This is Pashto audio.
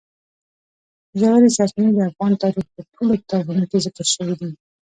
ژورې سرچینې د افغان تاریخ په ټولو کتابونو کې ذکر شوي دي.